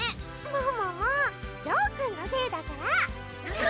もももジョーくんのせいだから。